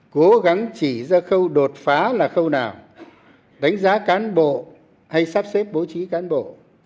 cố gắng chỉ ra khâu đột phá là khâu nào đánh giá cán bộ hay sắp xếp bố trí cán bộ